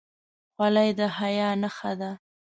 خولۍ د حیا نښه ده.